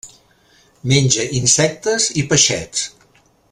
Menja insectes i peixets.